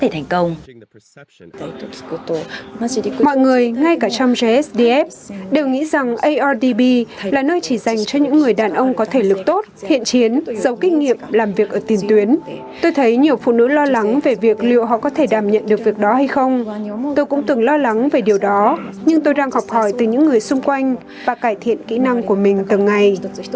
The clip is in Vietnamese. tôi cũng từng lo lắng về điều đó nhưng tôi đang gặp hỏi từ những người xung quanh và cải thiện kỹ năng của mình từng ngày